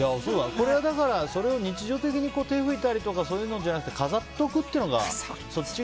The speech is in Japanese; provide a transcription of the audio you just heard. これは、それを日常的にやったりとかそういうのじゃなくて飾っておくっていうのが。